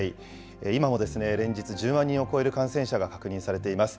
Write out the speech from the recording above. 今も連日、１０万人を超える感染者が確認されています。